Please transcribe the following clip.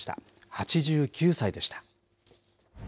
８９歳でした。